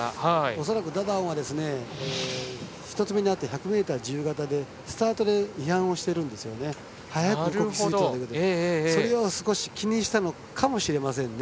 恐らくダダオンは１００ｍ自由形でスタートで違反をしていますがそれを少し気にしたのかもしれませんね。